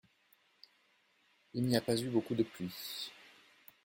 Il n’y a pas eu beaucoup de pluie.